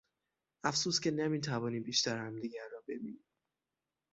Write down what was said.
افسوس که نمیتوانیم بیشتر همدیگر را ببینیم.